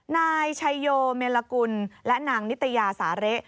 นายชัยโยเมลกุลและนางนิตยาสาเละ